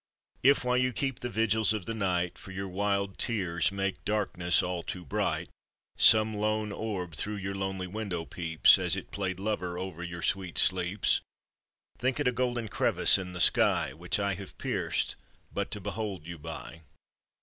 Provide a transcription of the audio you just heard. If, while you keep the vigils of the night, For your wild tears make darkness all too bright, Some lone orb through your lonely window peeps, As it played lover over your sweet sleeps, Think it a golden crevice in the sky, Which I have pierced but to behold you by!